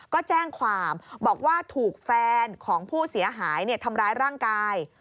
ก็แจ้งความบอกว่าถูกแฟนของผู้เสียหายทำร้ายร่างกาย